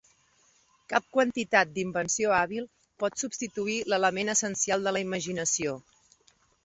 Cap quantitat d'invenció hàbil pot substituir l'element essencial de la imaginació.